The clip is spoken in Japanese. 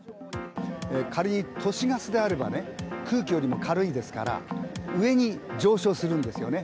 仮に都市ガスであれば空気よりも軽いですから上に上昇するんですよね。